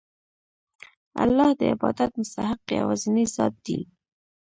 الله د عبادت مستحق یوازینی ذات دی.